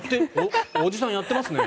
おじさん、やってますね。